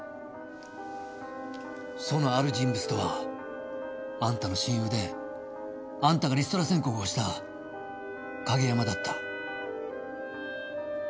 そのある人物とはあんたの親友であんたがリストラ宣告をした景山だった。